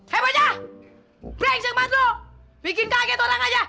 hei bocah brengsek banget lu bikin kaget orang aja